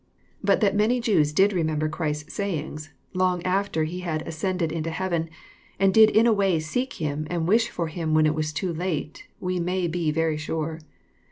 But that many Jews did remember Christ's sayings long after He had as cended into heaven, and did in a way seek Him and wish for Him when it was too late, we may be very sure.